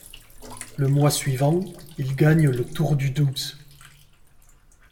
Le mois suivant, il gagne le Tour du Doubs.